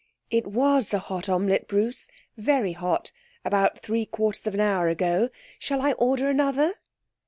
'It was a hot omelette, Bruce very hot about three quarters of an hour ago. Shall I order another?'